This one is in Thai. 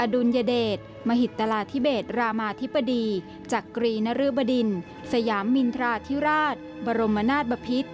ดุลยเดชมหิตราธิเบศรามาธิบดีจักรีนรึบดินสยามินทราธิราชบรมนาศบพิษ